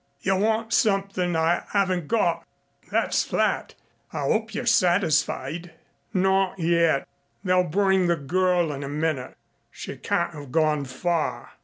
"You want something I haven't got that's flat. I hope you're satisfied." "Not yet. They'll bring the girl in a minute. She can't have gone far."